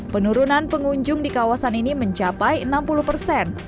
penurunan pengunjung di kawasan ini mencapai enam puluh persen